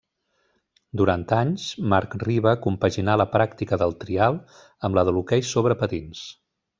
Durant anys, Marc Riba compaginà la pràctica del trial amb la de l'hoquei sobre patins.